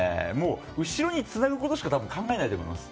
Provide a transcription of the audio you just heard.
後ろにつなぐことしか考えないと思います。